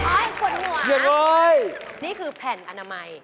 อ๊ะขวดหัวค่ะนี่คือแผ่นอนามัย